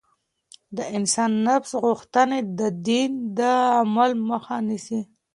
د انسان نفس غوښتنې د دين د عمل مخه نيسي.